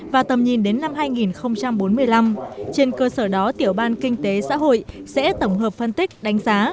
và tầm nhìn đến năm hai nghìn bốn mươi năm trên cơ sở đó tiểu ban kinh tế xã hội sẽ tổng hợp phân tích đánh giá